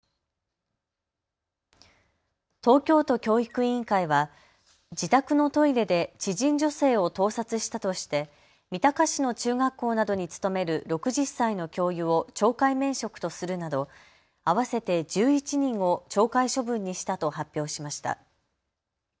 東京都教育委員会は自宅のトイレで知人女性を盗撮したとして三鷹市の中学校などに勤める６０歳の教諭を懲戒免職とするなど合わせて１１人を懲戒処分にしたと発表しました。